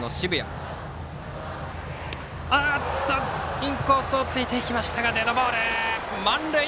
インコースを突いていきましたがデッドボール。